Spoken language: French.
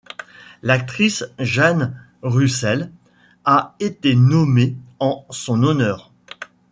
L'actrice Jane Russell a été nommée en son honneur.